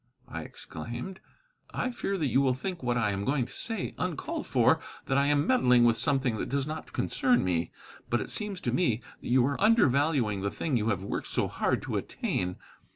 I exclaimed. "I fear that you will think what I am going to say uncalled for, and that I am meddling with something that does not concern me. But it seems to me that you are undervaluing the thing you have worked so hard to attain.